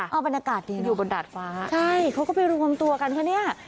เอาเป็นอากาศดีนะครับใช่เขาก็ไปรวมตัวกันค่ะเนี่ย